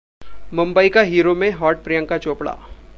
'मुंबई का हीरो' में हॉट प्रियंका चोपड़ा